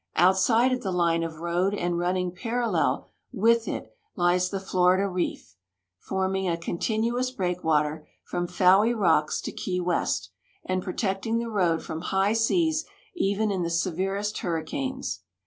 Outside of the line of road and running parallel with it lies the Florida reef, forming a continuous break water from Fowey Rocks to Key W'est, and protecting the road from high seas even in the severest hurricanes.